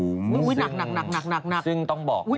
ซึ่งซึ่งต้องบอกว่า